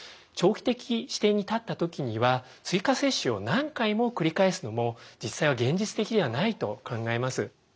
長期的視点に立った時には追加接種を何回も繰り返すのも実際は現実的ではないと考えます。